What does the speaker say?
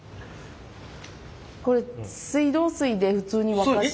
これ水道水で普通に沸かした。